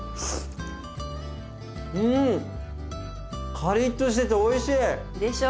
カリッとしてておいしい！でしょ。